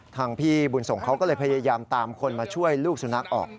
พี่บุญส่งเขาก็เลยพยายามตามคนมาช่วยลูกสุนัขออก